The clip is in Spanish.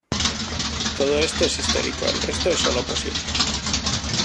Todo esto es histórico: el resto es sólo posible.